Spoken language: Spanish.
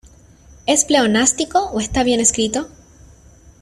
¿Es pleonástico o está bien escrito?